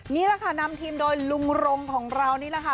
นี่แหละค่ะนำทีมโดยลุงรมของเรานี่แหละค่ะ